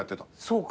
そうか。